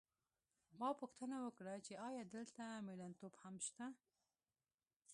ما پوښتنه وکړه چې ایا دلته مېړنتوب هم نشته